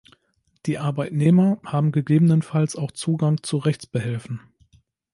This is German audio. Die Arbeitnehmer haben gegebenenfalls auch Zugang zu Rechtsbehelfen.